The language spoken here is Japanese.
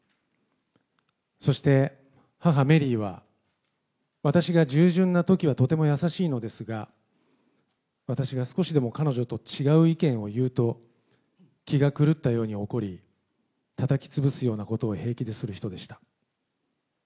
そして母、メリーは私が従順なときはとても優しいのですが、私が少しでも彼女と違う意見を言うと、気が狂ったように怒り、たたきつぶすようなことを平気でする人でした。